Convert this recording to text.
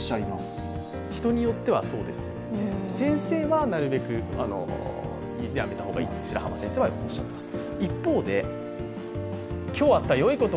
人によってはそうですね、先生はなるべくやめた方がいいとおっしゃっています。